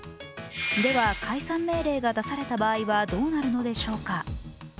では解散命令が出された場合はどうなるのでしょうか。